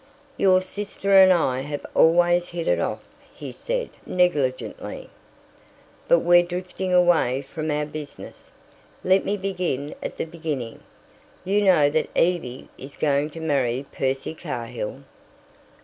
"Your sister and I have always hit it off," he said negligently. "But we're drifting away from our business. Let me begin at the beginning. You know that Evie is going to marry Percy Cahill."